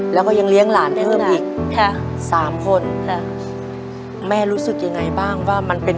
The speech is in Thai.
แล้วก็ยังเลี้ยงหลานเพิ่มอีกค่ะสามคนค่ะแม่รู้สึกยังไงบ้างว่ามันเป็น